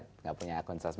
tidak punya akun sosmed